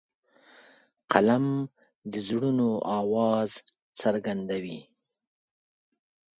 قلم د زړونو آواز څرګندوي